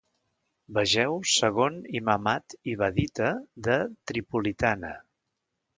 Vegeu segon imamat ibadita de Tripolitana.